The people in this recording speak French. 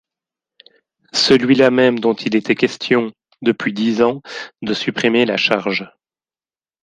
Celui-là même dont il était question, depuis dix ans, de supprimer la charge.